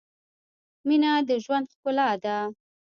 مینه د ژوند ښلا ده